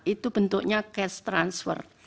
itu bentuknya cash transfer